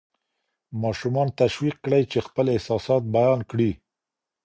ماشومان تشویق کړئ چې خپل احساسات بیان کړي.